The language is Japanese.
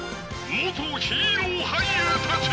元ヒーロー俳優たち］